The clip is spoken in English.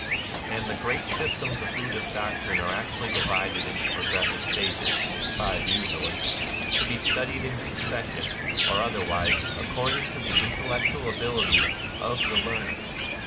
And the great systems of Buddhist doctrine are actually divided into progressive stages (five usually), to be studied in succession, or other wise, according to the intellectual ability of NIRVANA 241 the learner.